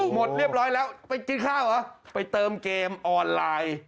หมดเรียบร้อยแล้วไปกินข้าวเหรอไปเติมเกมออนไลน์